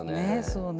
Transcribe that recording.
そうね。